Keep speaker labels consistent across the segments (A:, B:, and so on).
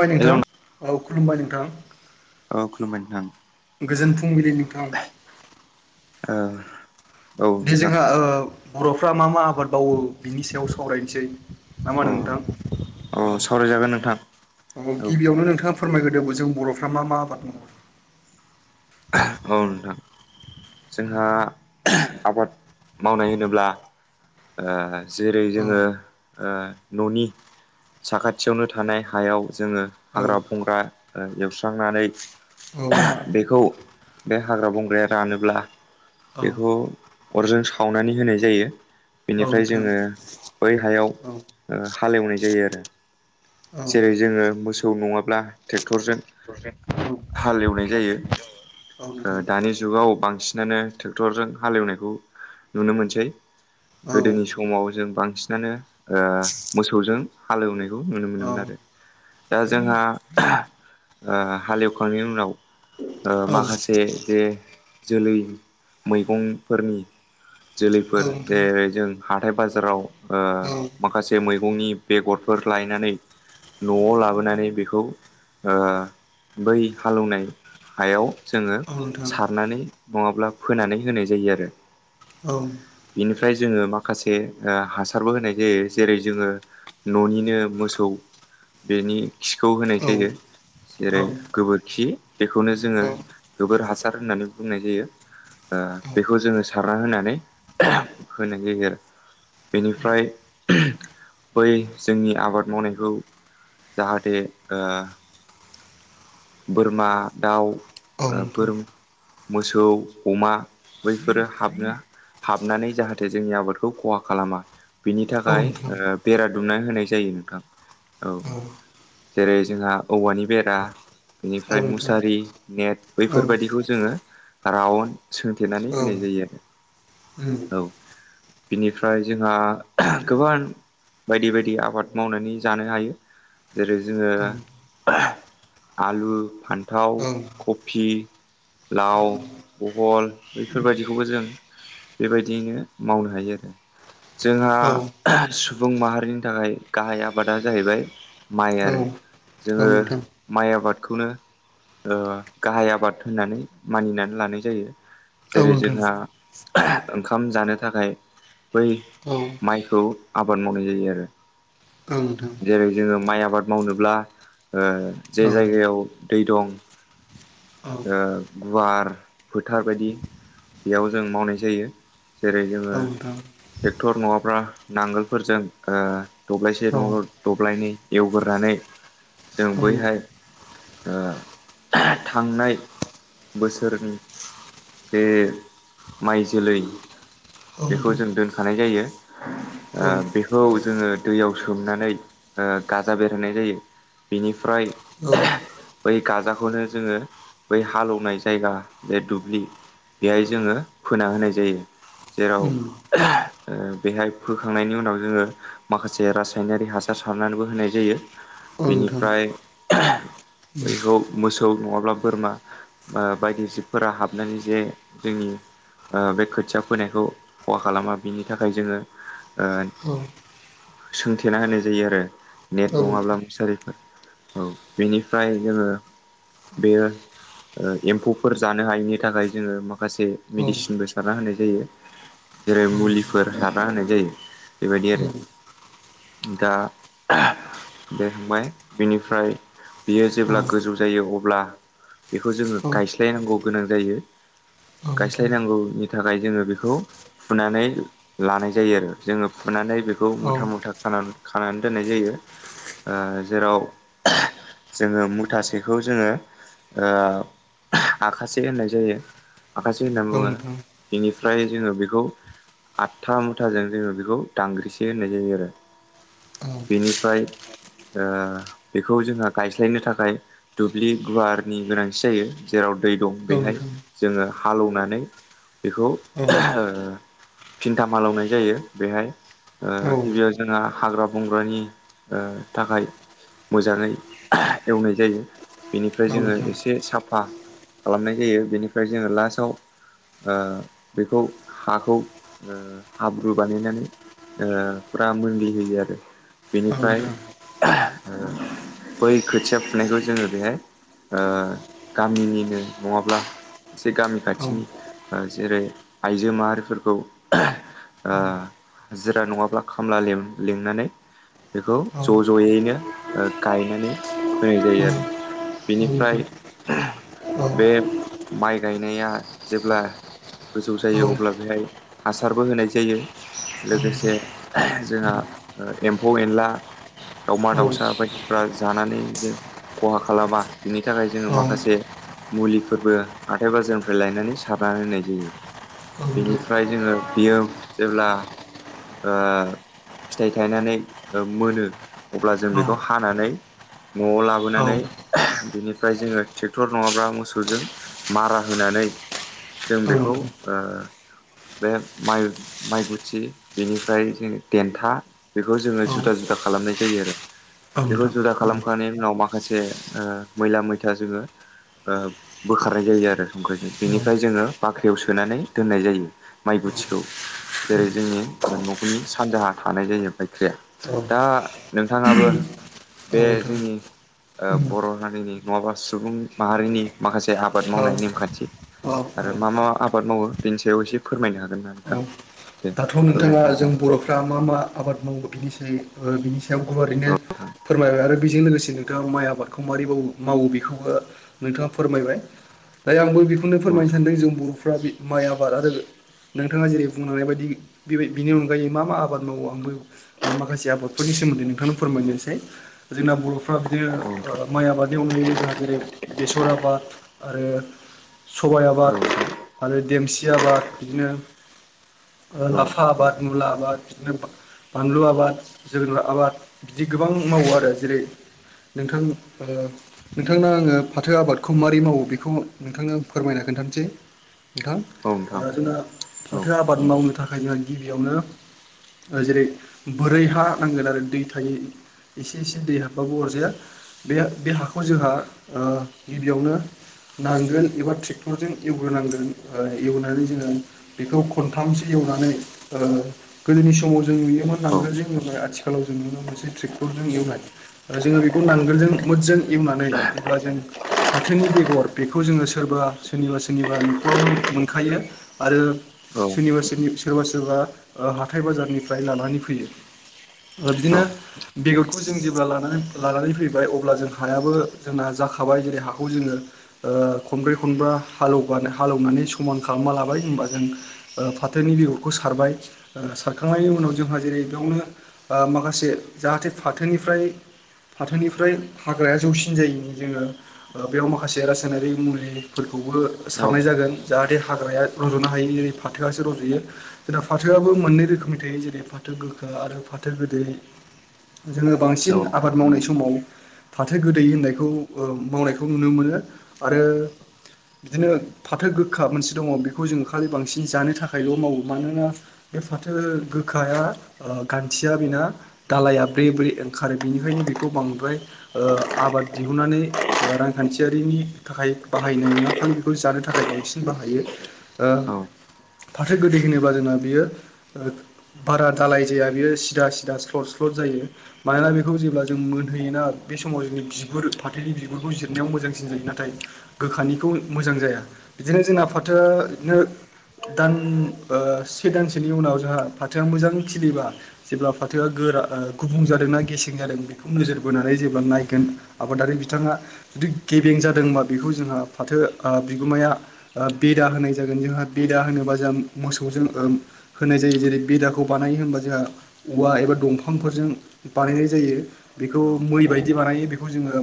A: खुलुमबाय
B: हेल'
A: नोंथां औ खुलुमबाय नोंथां।
B: औ खुलुमबाय नोंथां।
A: गोजोन फुंबिलि नोंथां।
B: ओह।
A: बे जोंहा ओ बर'फ्रा मा मा आबाद माववो बिनि सायाव सावरायनोसै ना मा
B: अ
A: होनो नोंथां?
B: औ सावरायजागोन नोंथां
A: औ औ गिबियावनो नोंथाङा फोरमायग्रोदो ब जों बर'फ्रा मा मा आबाद मावो?
B: औ नोंथां जोंहा आबाद मावनाय होनोब्ला ओ जेरै
A: औ
B: जोङो ओ न'नि साखाथियावनो थानाय हायाव जोङो
A: औ
B: हाग्रा बंग्रा ओ एवस्रांनानै
A: औ
B: बेखौ बे हाग्रा बंग्राया रानोब्ला
A: औ
B: बेखौ अरजों सावनानै होनाय जायो।
A: औ
B: बेनिफ्राय
A: नोंथां
B: जोङो बै हायाव
A: औ
B: ओ हालेवनाय जायो आरो।
A: औ
B: जेरै जोङो मोसौ नङाब्ला थे क्टरजों
A: नोंथां
B: हालेवनाय जायो।
A: औ
B: ओ
A: नोंथां
B: दानि जुगाव बांसिनानो ट्रेक्टरजों हालेवनायखौ नुनो मोनसै।
A: औ नोंथां औ
B: गोदोनि समाव जों बांसिनानो ओ मोसौजों हालेवनाय बेखौ नुनो मोनोमोन आरो दा जोंहा ओ हालेवखांनायनि उनाव ओ माखासे जे जोलै मैगंफोरनि जोलैफोर
A: औ नोंथां
B: जेरै जों हाथाय बाजाराव ओ माखासे मैगं नि बेगरफोर लायनानै न'आव लाबोनानै बेखौ ओ बै हालौवनाय हायाव जोङो
A: औ नोंथां
B: सारनानै नङाब्ला फोनानै होनाय जायो आरो।
A: औ।
B: बिनिफ्राय जोङो माखासे ओ हासारबो होनाय जायो जेरै जोङो न'निनो मोसौ बेनि खिखौ
A: औ
B: होनाय जायो जेरै गोबोरखि बेखौनो जोङो गोबोर हासार होननानै बुंनाय जायो। ओ बेखौ जोङो सारना होनानै होनाय जायो आरो। बेनिफ्राय बै जोंनि आबाद मावनायखौ जाहाथे ओ बोरमा दाउ ओ बोर
A: [unintelligible]
B: मोसौ अमा बैफोरो हाबनो हाबनानै जाहाथे जोंनि आबादखौ खहा खालामा बिनि थाखाय ओ बेरा दुमना होनाय जायो नोंथां औ जेरै जोंहा औवानि बेरा बेनिफ्राय
A: नोंथां
B: मुसारि नेट
A: औ
B: बैफोरबायदिखौ जोङो राउन्ड सोंथेरनानै
A: औ
B: होनाय जायो आरो औ। बिनिफ्राय जोंहा गोबां बायदि बायदि आबाद मावनानै जानो हायो। जेरै जोङो आलु फान्थाव
A: औ
B: कफि
A: औ
B: लाव बहल
A: नोंथां
B: बेफोरबायदिखौबो जों बेबायदियैनो मावनो हायो आरो जोंहा सुबुं माहारिनि थाखाय गाहाय आबादा जाहैबाय माइ
A: औ नोंथां
B: आरो जोङो माइ आबादखौनो ओ गाहाय आबाद होननानै मानिनानै लानाय जायो।
A: औ नोंथां औ
B: जेरै जोंहा ओंखाम जानो थाखाय बै
A: औ
B: माइखौ मिलाव हैनानै माइरं खालामनाय जायो। माइखौ आबाद मावनाय जायो आरो नंगौ
A: औ नोंथां
B: सैथो। जेरै जोङो माइ आबाद मावनोब्ला हालऐवना लानाय जायो।
A: औ
B: जे जायगायाव दै दं ना गैया बिखौ नायना
A: औ
B: खामानिखौ मावनो हायो। गुवार फोथार बायदि जायगानि गोनां जायो। बेयाव जों मावनाय जायो जेरै जोङो आलि दाननाय आरो
A: औ
B: आलि
A: नोंथां
B: खोनाय खोथिया फोनाय खामानि फोरखौ मावनाय जायो। ट्रेक्टर नङाब्ला नांगोलफोरजों दब्लायसे नङाब्ला दब्लायनै
A: औ
B: एवगोर्रा नानै हाखौ फोमोनना गायनाय जायो। नानै जों बैहाय
A: औ
B: खामानिखौ मोजां मावनांगौ जायो। थांनाय बोसोरनि जोंहानि माइआ जोबोर मोजां जादोंमोन। बे माइसलै फोरखौ फोनानै खोथिया फोनाय जायो। बेखौ
A: उम औ
B: जों
A: नोंथां
B: दोनखानाय जायो नंगौ सैथो।
A: उम
B: बेखौ जोङो दैयाव सोमनानै गाजा बेरहोनाय जायो नंगौ सैथो। बिनिफ्राय
A: औ
B: जों बेखौ दुब्लियाव फोनानै लानाय जायो। बै गाजाखौनो जोङो बै हालेवनाय जायगा जे दुब्लि बेयाव फोनाय जायो। बेहाय जोङो फोना होनाय जायो नंगौ सैथो थारैनो।
A: औ औ
B: जेराव बेहाय फोखांनायनि उनाव जोङो माखासे रासायनारि हासार फोरखौ बाहायनाय जायो। सारनानैबो होनाय जायो
A: नोंथां
B: बेनिफ्राय जों मोजां आबाद जानायखौ नुनो मोनो।
A: [inaudible]
B: बैखौ मोसौ नङाब्ला बोरमा बायदि जिबफोरा हाबनानै जे जोंनि आबादखौ जानो हायैनि थाखाय बेरा‌ होननाय जायो। बे खोथिया फोनायखौ खहा खालामा बिनि थाखाय जोङो बेरा थुमनानै होनाय जायो। सोंथेना होनाय जायो आरो नेट नङाब्ला मुसारिफोर‌ नंगौ सैथो। औ बेनिफ्राय जोङो बेयो मोजां आबाद जानो हमहोयो। एम्फौफोर जानो हायिनि थाखाय जोङो माखासे मेडिसिनबो सारना होनाय जायो नंगौ ‌थारैनो सैथो। जेरै मुलिफोर हाबा होनाय जायो बेबायदि
A: उम
B: आरो औ नंगौ थारैनो। दा बेखांबाय बेनि [unintelligible] ओमफ्राय बियो
A: औ
B: जेब्ला गोजौ जायो अब्ला एम्फौ जानो हायैनि मुलि सारनाय जायो। बेखौ जोङो गायस्लायनांगौ गोनां जायो नंगौ जों जावैनानै गायनाय जायो। गायस्लायनांगौनि थाखाय जोङो बेखौ फुनानै लानाय जायो आरो जोङो फुनानै बेखौ
A: औ
B: गायफिननाय जायो। मुथा मुथा खानानै दोननाय जायो जेराव जों बेखौ गायनोसै समआव बाहायनाय जायो। जोङो मुथासेखौ जोङो दिरुं लानानै खानायबो‌ जायो। आखाासे होननाय जायो आखाासे होननानै
A: नोंथां औ
B: बुङो
A: नोंथां
B: बेनिफ्राय जों बेखौ‌ गायो। फ्राय जोङो बेखौ आदथा मुथाजों जोङो बेखौ दांग्रिसे होननाय जायो आरो नंगौ थारैनो
A: औ
B: सैथो। बेनिफ्राय जों बेखौ गायो। बेखौ जोंहा गायस्लायनो थाखाय दुब्लि गुवारनि गोनांथि जायो जेराव जों माइ गायो। दै दं
A: औ
B: बेहाय
A: नोंथां
B: जोङो हालौवनानै बेखौ गायनाय जायो। सििन्था मालावनाय जायो बेहाय नंगौ
A: औ
B: सैथो। गिबियाव जोंहा हाग्रा बंग्रानि थाखाय फोसाबना लानाय जायो। मोजाङै एवनाय जायो बेनिफ्राय
A: औ
B: जोङो
A: नोंथां
B: एसे साफा खालामनाय जायो बेनिफ्राय जोङो लासाव आ बेखौ हाखौ ओ हाब्रु बानायनानै जोङो फुरा मोनग्लि होयो आरो
A: औ नोंथां औ
B: बेनिफ्राय
A: [inaudible]
B: बै खोथिया फुनायखौ जोङो बेहाय ओ गामिनिनो नङाब्ला एसे गामि खाथिनि
A: औ
B: जेरै आइजो माहारिफोरखौ ओ
A: औ
B: हाजिरा नङाब्ला खामला लिंनानै बेखौ ज'
A: औ
B: ज'यैनो ओ गायनानै होनाय जायो आरो बेनिफ्राय
A: औ
B: बे
A: नोंथां
B: माइ गायनाया जेब्ला गोजौ
A: औ
B: जायो
A: औ
B: अब्ला बेहाय हासारबो होनाय जायो।
A: औ
B: लोगोसे
A: नोंथां
B: जोंहा एम्फौ एनला दाउमा दाउसा सा बायदिफ्रा जानानै जों खहा खालामा बिनि थाखाय जोङो माखासे मुलिफोरबो हाथाय बाजारनिफ्राय लायनानै सारनानै होनाय जायो बिनिफ्राय जोङो बियो जेब्ला - ओ- फिथाइ थायनानै ओ-मोनो अब्ला जों बे बेखौ हानानै न'आव
A: औ
B: लाबोनानै। बेनिफ्राय जोङो ट्रेक्टर नङाब्ला मोसौजों मारा होनानै, जों
A: औ
B: बेखौ
A: नोंथां
B: ओ- बे माइ माइ गुथि बेनिफ्राय जों देन्था बेखौ जोङो
A: औ
B: जुदा जु खालामनाय जायो आरो।
A: औ
B: बेखौ
A: नोंथां।
B: [unintelligible] उनाव माखासे ओ-मैला मैथा जोङो। ओ- बोखारनाय जायो आरो संख्रिजों बेनिफ्राय जोङो बाख्रियाव सोनानै दोननाय जायो माइ बोथिखौ। जेरै जोंनि ओ-न'खरनि सानजाहा थानाय जायो बायख्रिया दा नोंथाङाबो। बे जोंनि ओ-बर' हारिनि नङाबा सुबुं माहारिनि माखासे। एसे आबाद मावनाय नेमखान्थि
A: औ
B: आरो मा मा आबाद मावो बेनि सायाव एसे फोरमायनो हागोन ना
A: औ
B: नोंथां? दे
A: दाथ'
B: फोरमायदो
A: नोंथाङा जों
B: नोंथां
A: बर'फ्रा मा मा आबाद मावो बिनिसै ओ- गुवारैनो
B: औ
A: फोरमायबाय आरो बेजों लोगोसे। नोंथां माय आबादखौ मारै मावो बेखौबो नोंथाङा फोरमायबाय दायो आंबो बेख बेखौनो फोरमायनो
B: नोंथां
A: सानदों जों बर'फ्रा माइ आबाद आरो नोंथाङा जेरै बुंलांनाय बाय दि बिनि अनगायै मा मा आबाद मावो आंबो माखासे आबादफोरनि सोमोन्दैं नोंथांनो फोरमायग्रोनोसै। जोंना बर'फ्रा बिदिनो ओ-माइ आबाद। बेनि अनगायैबो जोंहा जेरै बेसर आबाद आरो सबाइ
B: औ नोंथां
A: आबाद।
B: औ
A: आरो देमसि आबाद बिदिनो
B: नोंथां औ
A: ओ-लाफा आबाद मुला आबाद बिदिनो बानलु आबाद, जोगोनार आबाद बिदि गोबां मावो आरो जेरै- नोंथा ओ-नोंथांनो आङो फाथो आबादखौ मारै मावो बेखौ नोंथांनो फोरमायना खोन्थानोसै नोंथां
B: नोंथां
A: ओ-जोंना
B: औ नोंथां
A: फाथोआ। मावनो थाखाय जोंहा गिबियावनो। जेरै बोरै हा नांगोन आरो दै थायै। इसे इसे दै हाबबाबो अरजाया बेयो बे हाखौ जोंहा ओ- गिबियावनो। नांगोल एबा ट्रेक्टरजों एवग्रोनांगोन ओ- एवनानै जोङो बेखौ। खनथामसो एवनानै ओ गोदोनि समाव जों नुयोमोन
B: औ औ
A: नांगोलजों एवनाय आथिखालाव जों नुनो मोनो। मोनसे ट्रेक्टरजों एवनाय ओ-जोङो बेखौ नांगोलजों मोदजां एवनानै जेब्ला जों फाथोनि बेगर बेखौ जोङो सोरबा सोरनिबा सोरनिबा न'खराव मोनखायो आरो।
B: औ
A: सोरनिबानि सोरबा सोरबा ओ-हाथाय बाजारनिफ्राय लानानै फैयो।
B: औ
A: बिदिनो बेगरखौ जों जेब्ला लानानै लानानै फैबाय अब्ला जों हायाबो जोंना ज जाखाबाय जेरै हाखौ जोङो ओ- खनब्रै खनबा हालौबानो हालौनानै समान खालामना लाबाय। होमबा जों फाथोनि बेगरखौ सारबाय ओ-सारखांनायनि उनाव जोंहा जेरै बेयावनो ओ-माखासे जाहाथे फाथोनिफ्राय फाथोनिफ्राय हाग्राया जौसिन जायनि जोङो ओ-बेयाव माखासे रासायनारि मुलि खौबो
B: औ
A: सारनाय जागोन जाहाथे हाग्राया रज'नो हायोनि। फाथोआसो रज'यो जोंना फाथोआबो मोननै रोखोमनि थायो जेरै फाथो गोखा आरो फाथो गोदै। जोङो बांसिन आबाद मावनाय समाव फाथो गोदै होननायखौ ओ-मावनायखौ नुनो मोनो आरो। बिदिनो फाथो गोखा मोनसे दङ बेखौ जोङो खालि बांसिन जानो थाखायल' मावो मानोना बे फाथो गोखाया ओ-गान्थिया बेना दालाया ब्रे ब्रै ओंखारो बेनिखायनो बेखौ बांद्राय ओ- आबाद दिहुननानै ओ-रान खान्थियारिनि थाखाय बाहायनाय नङा खालि बेखौ जानो थाखाय बांसिन बाहायो। ओ- फाथो गोदै होनोब्ला जोंना बियो ओ-बारा दालाय जाया बियो सिदा सिदा स्लद स्लद जायो। मानोना बेखौ जेब्ला जों मोनहोयोना बे समाव जोंनि बिगुर फाथैनि बिगुरखौ जिरनायाव मोजांसिन नाथाय गोखानिखौ मोजां जाया बिदिनो जोंना फाथो नो दान ओ से दानसेनि उनाव जोंहा फाथोआ मोजां खिलिबा जेब्ला फाथोआ गोरा गुबुं जादोंना गेसे जादों बेखौ नोजोर बोनानै जेब्ला नायगोन आबादारि बिथाङा जुदि गेबें जादोंबा बेखौ जों हा फाथो ओ बिगोमाया बेदा होनाय जागोन जोंहा बेदा होनोबा जों मोसौजो ओ होनाय जायो जेरै बेदाखौ बानायो होना जोंहा औवा एबा दंफांफोरजों बानायनाय जायो बेखौ
B: औ
A: मै बायदि बानायो बेखौ जोङो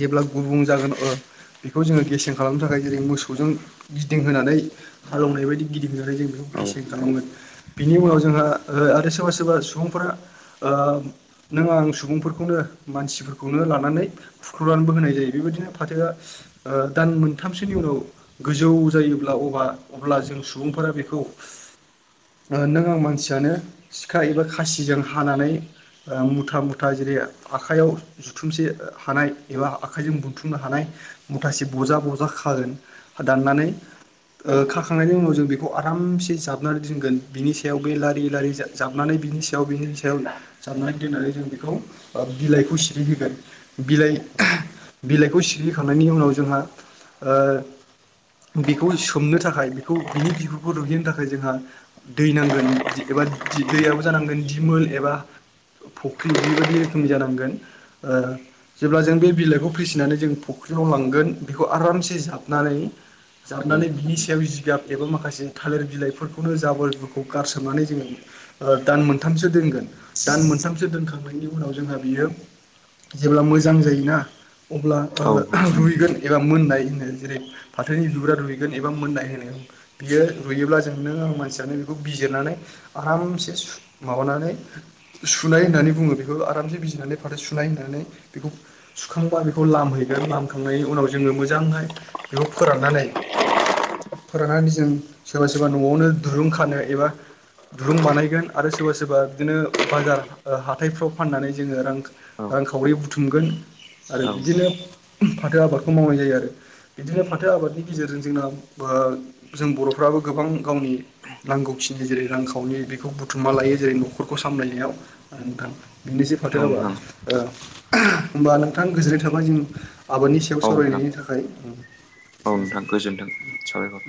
A: जेब्ला गुबुं जागोन ओ बेखौ जोङो गेसें खालामनो थाखाय जेरै मोसौजों गिदिंहोनानै हालेवनाय बायदि गिदिंनानै जों बेखौ
B: औ
A: गेसें खालामगोन। बिनि उनाव जोंहा आरो सोरबा सोरबा सुबुंफोरा ओ नों आंं सुबुंफोरखौनो मानसिफोरखौनो लानानै फुख्ल'नानैबो होनाय जायो बेबायदिनो फाथोआ दान मोनथामसोनि उनाव गोजौ जायोब्ला अबा अब्ला जों सुबुंफोरा बेखौ नों आं मानसियानो सिखा एबा खासिजों हानानै मुथा मुथा जेरै आखाइयाव जुथुमसे हानाय एबा आखाइजों बुथुमनो हानाय मुथासे बजा बजा खागोन दाननानै ओ खाखांनायनि उनाव जों बेखौ आरामसे जाबनानै दोनगोन बिनि सायाव बे लारि लारि जाबनानै बिनि सा याव बिनि सायाव जाबनानै दोननानै जों बेखौ बिलाइखौ सिरि होगोन। बिलाइ
B: औ
A: बिलाइखौ सि सिरि खांनायनि उनाव जोंहा ओ बेखौस सोमनो थाखाय बेखौ बिनि बिगुरखौ रुइहोनो थाखाय जोंहा दै नांगोन एबा दैयाबो जानो नांगोन दिमोल एबा फुख्रि बेबायदि रोखोमनि जानांगोन ओ जेब्ला जों बे बिलाइखौ फिसिनानै जों फख्रियाव लांगोन बेखौ आरामसे जाबनानै
B: औ।
A: जाबनानै बिनि सायाव जिगाब एबा माखासे थालिर बिलाइफोरखौनो जाबोरखौ गारसोमनानै जोङो ओ दान मोन मोनथामसो दोनगोन दान मोनथामसो दोनखांनायनि उनाव जोंहा बियो जेब्ला मोजां जायोना अब्ला ओ
B: औ
A: रुइगोन एबा मोननाय होननाय जेरै फाथोनि बिगुरा रुइ गोन एबा मोननाय होनो बियो रुइयोबा जों नों मानसियानो बेखौ बिजिरनानै आरामसे माबानानै सुनाय होननानै बुङो बेखौ आरामसे बिजिरनानै फाथो सुनाय होननानै बेखौ सुखांबा बेखौ लामहैगोन लामखांनायनि उनाव जोङो मोजांहाय बेखौ फोराननानै फोराननानै जों सोरबा सोरबा न'आवनो दुरुं खानो एबा दुरुं बानायगोन आरो सोरबा सोरबा बिदिनो बाजार हाथाइफ्राव फाननानै जोङो रां
B: औ
A: रांखावरि बुथुमगोन आरो
B: औ
A: बिदिनो फाथो आबादखौ मावनाय जायो आरो बिदिनो फाथो आबादनि गेजेरजों जोंना ओ जों बर'फ्राबो गोबां गावनि नांगौखिनि जेरै रांखावरि बेखौ बु थुमबा लायो जेरै न'खरखौ सामलायनायाव नोंथां। बिनोसै फाथो आबादा
B: नोंथां
A: ओ होमबा नोंथां गोजोननाय थाबाय जों आबादनि सायाव
B: औ
A: सावरायनायनि थाखाय उम एसेनोसै।
B: नों साबायखर।